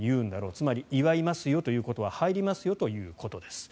つまり祝いますよという言葉は入りますよということです。